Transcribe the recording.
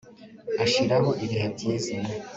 ashiraho ibihe byiza